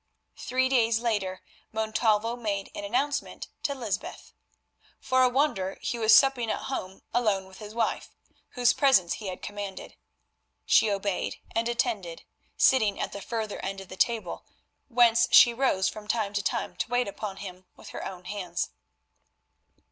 Three days later Montalvo made an announcement to Lysbeth. For a wonder he was supping at home alone with his wife, whose presence he had commanded. She obeyed and attended, sitting at the further end of the table, whence she rose from time to time to wait upon him with her own hands.